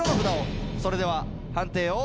それでは判定を。